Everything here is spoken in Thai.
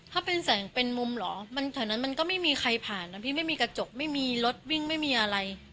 ถ้าเป็นแสงเป็นมุมเหรอมันแถวนั้นมันก็ไม่มีใครผ่านนะพี่ไม่มีกระจกไม่มีรถวิ่งไม่มีอะไร